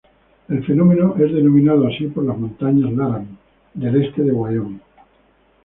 El fenómeno es denominado así por las Montañas Laramie del este de Wyoming.